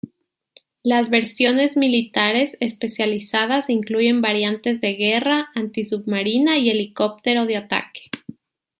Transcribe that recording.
Las versiones militares especializadas incluyen variantes de guerra antisubmarina y helicóptero de ataque.